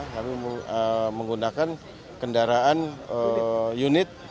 kami menggunakan kendaraan unit